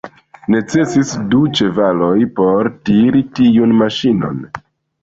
Necesis du ĉevaloj por tiri tiun maŝinon.